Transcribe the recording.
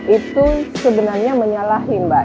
itu sebenarnya menyalahi mbak